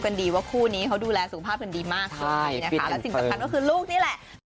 ก็คือลูกนี้แหละ